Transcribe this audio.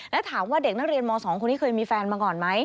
แล้วถามว่าเด็กนักเรียนม๒คนนี้เคยมีแฟนมาก่อนไหม